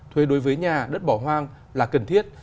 thuê đối với nhà đất bỏ hoang là cần thiết